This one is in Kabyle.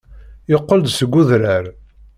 Yeqqel-d seg udrar.